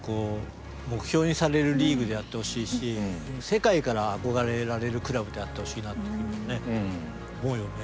目標にされるリーグであってほしいし世界から憧れられるクラブであってほしいなっていうふうに思うよね。